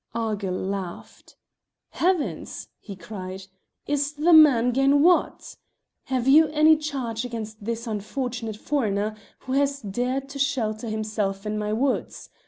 Argyll laughed. "Heavens!" he cried, "is the man gane wud? Have you any charge against this unfortunate foreigner who has dared to shelter himself in my woods?